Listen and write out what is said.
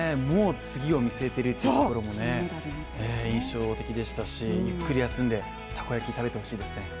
もう次を見据えているところも印象的でしたしゆっくり休んで、たこ焼き食べてほしいですね。